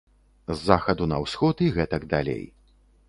З захаду на ўсход і гэтак далей.